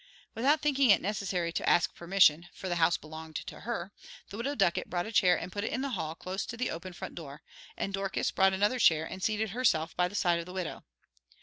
Without thinking it necessary to ask permission, for the house belonged to her, the Widow Ducket brought a chair and put it in the hall close to the open front door, and Dorcas brought another chair and seated herself by the side of the widow.